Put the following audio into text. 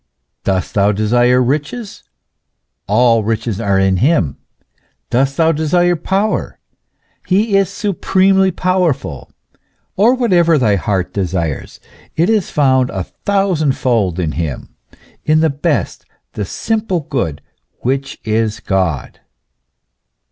Dost thou desire riches all riches are in Him. Dost thou desire power He is supremely powerful. Or whatever thy heart desires, it is found a thousandfold in Him, in the best, the single good, which is God."